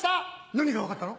何が分かったの？